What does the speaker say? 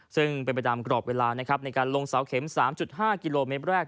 ซึ่งบรรยามกรอบเวลาในการลงเสาเข็ม๓๕กิโลเมตรแรก